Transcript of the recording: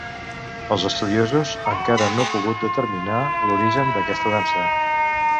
Els estudiosos encara no pogut determinar l'origen d'aquesta dansa.